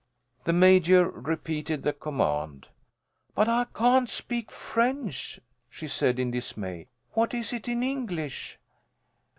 The Major repeated the command. "But I can't speak French," she said in dismay. "What is it in English?"